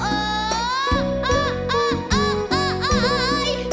เอิ๊ะ